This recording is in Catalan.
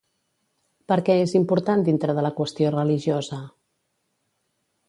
Per què és important dintre de la qüestió religiosa?